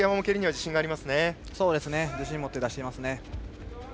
自信を持って出しています。